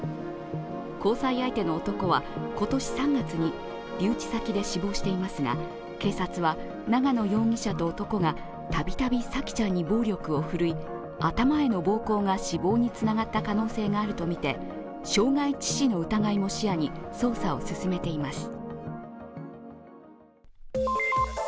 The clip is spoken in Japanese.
交際相手の男は今年３月に留置先で死亡していますが、警察は、長野容疑者と男がたびたび沙季ちゃんに暴力を振るい、頭への暴行が死亡につながった可能性があるとみて、傷害致死の疑いも視野に捜査を進めています。